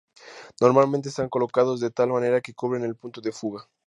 Normalmente están colocados de tal manera que cubren el punto de fuga.